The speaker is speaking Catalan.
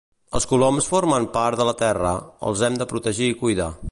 Els coloms formen part de la terra, els hem de protegir i cuidar